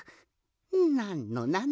なんのなんの！